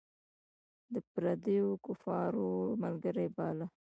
د پردیو کفارو ملګری باله.